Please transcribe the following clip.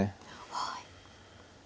はい。